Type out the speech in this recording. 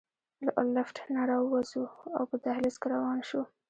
له لفټ نه راووځو او په دهلېز کې روان شو.